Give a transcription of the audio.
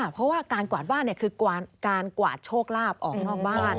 เพราะว่าการกวาดบ้านคือการกวาดโชคลาภออกนอกบ้าน